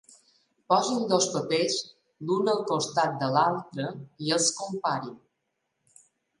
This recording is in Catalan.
Posin dos papers l'un al costat de l'altre i els comparin.